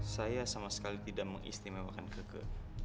saya sama sekali tidak mengistimewakan keke